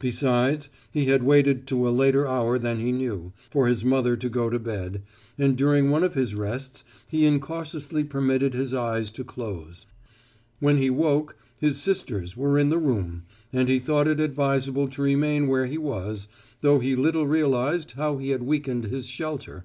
Besides, he had waited to a later hour than he knew, for his mother to go to bed, and during one of his rests he incautiously permitted his eyes to close. When he woke, his sisters were in the room, and he thought it advisable to remain where he was, though he little realized how he had weakened his shelter.